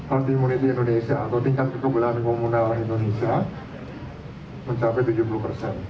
herd immunity indonesia atau tingkat kekebalan komunal indonesia mencapai tujuh puluh persen